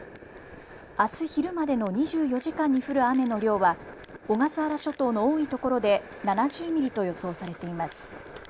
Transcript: あす昼までの２４時間に降る雨の量は小笠原諸島の多いところで７０ミリと予想されています。